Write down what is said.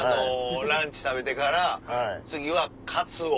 ランチ食べてから次はカツオ。